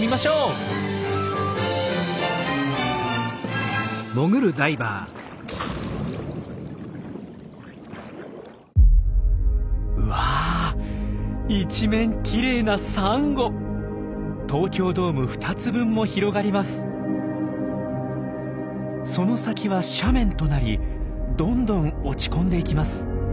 その先は斜面となりどんどん落ち込んでいきます。